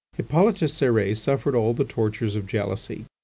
Hippolyte Cérès suffered all the tortures of jealousy.